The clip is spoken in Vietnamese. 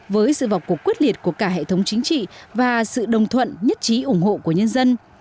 với sự vào cuộc quyết liệt của cả hệ thống chính trị và sự đồng thuận nhất trí ủng hộ của nhân dân